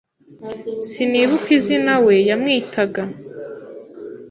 Sinibuka izinawe yamwitaga.